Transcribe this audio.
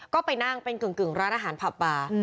ก็ไปนั่งเป็นกึ่งร้านอาหารผับปลา